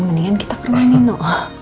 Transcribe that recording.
mendingan kita ke rumah nino